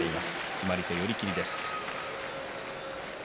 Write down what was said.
決まり手は寄り切りです。